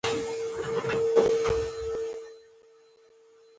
• ځینې نومونه د دعاګانو، رحمتونو او نیکمرغۍ معنا لري.